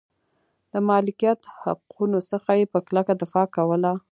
د مالکیت حقونو څخه یې په کلکه دفاع کوله.